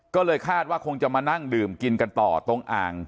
ก็เลยคาดว่าคงจะมานั่งดื่มกินกันต่อตรงอ่าง